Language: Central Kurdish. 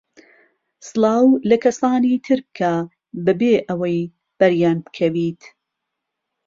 سڵاو لە کەسانی تر بکە بەبێ ئەوەی بەریان بکەویت.